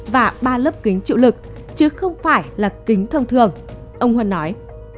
và ba lớp kính chịu lực chứ không phải là kính thông thường ông huân nói